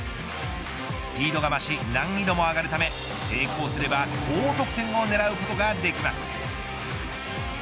スピードが増し難易度も上がるため成功すれば高得点を狙うことができます。